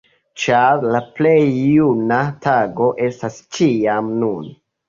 Ĉar "La plej juna tago estas ĉiam nun!